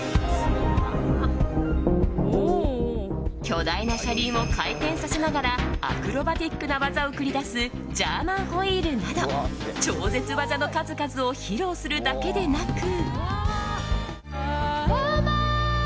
巨大な車輪を回転させながらアクロバティックな技を繰り出すジャーマン・ホイールなど超絶技の数々を披露するだけでなく。